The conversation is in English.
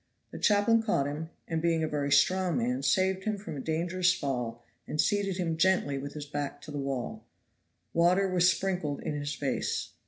The chaplain caught him, and being a very strong man, saved him from a dangerous fall and seated him gently with his back to the wall. Water was sprinkled in his face.